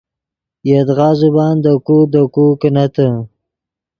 یدغا زبان دے کو دے کو کینتے